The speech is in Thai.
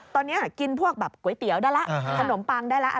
ตอนนี้กินพวกแบบก๋วยเตี๋ยวได้แล้วขนมปังได้แล้ว